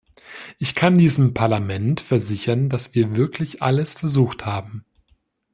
Ich kann diesem Parlament versichern, dass wir wirklich alles versucht haben.